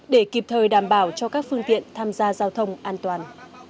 để kịp thời đảm bảo cho các phương tiện tham gia giao thông an toàn